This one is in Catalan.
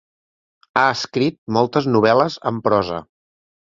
Ha escrit moltes novel·les en prosa.